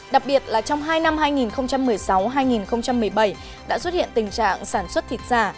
đặc biệt là trong hai năm hai nghìn một mươi sáu hai nghìn một mươi bảy đã xuất hiện tình trạng sản xuất thịt giả